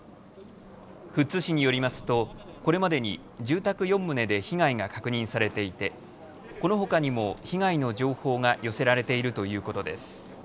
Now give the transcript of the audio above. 富津市によりますと、これまでに住宅４棟で被害が確認されていてこのほかにも被害の情報が寄せられているということです。